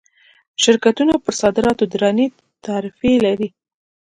شرکتونه پر صادراتو درنې تعرفې لري.